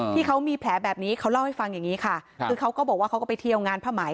ที่เขามีแผลแบบนี้เขาเล่าให้ฟังอย่างนี้ค่ะคือเขาก็บอกว่าเขาก็ไปเที่ยวงานผ้าไหม